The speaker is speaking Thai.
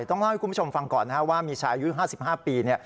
ต้องเล่าให้คุณผู้ชมฟังก่อนนะครับว่ามีชายอายุ๕๕ปี